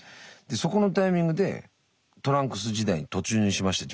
そこのタイミングでトランクス時代に突入しました